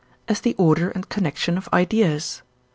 as the order and connection of ideas.